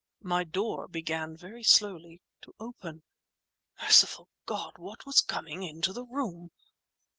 My door began very slowly to open! Merciful God! What was coming into the room!